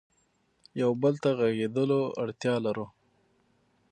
یو بل ته غږېدلو ته اړتیا لرو.